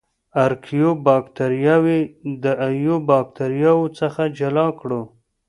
ارکیو باکتریاوې د ایو باکتریاوو څخه جلا کړو.